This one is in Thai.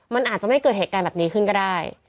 มันอาจจะไม่เกิดเหตุการณ์แบบนี้ขึ้นก็ได้